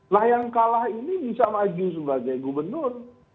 nah yang kalah ini bisa maju sebagai gubernur